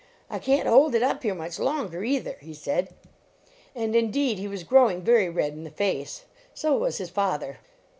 I can t hold it up here much longer, cither," he said. And, indeed, he 55 LEARNING TO WORK was growing very red in the face. So was his father.